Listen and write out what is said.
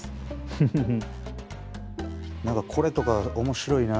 フフフッ。